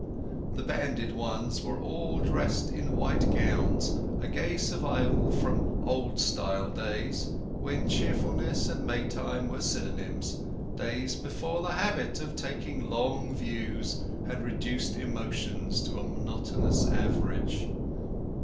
The banded ones were all dressed in white gowns—a gay survival from Old Style days, when cheerfulness and May time were synonyms—days before the habit of taking long views had reduced emotions to a monotonous average.